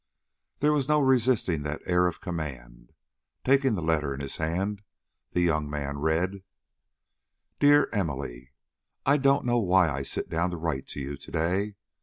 There was no resisting that air of command. Taking the letter in his hand, the young man read: "DEAR EMILY: I don't know why I sit down to write to you to day.